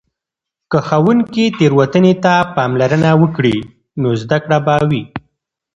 که ښوونکې تیروتنې ته پاملرنه وکړي، نو زده کړه به وي.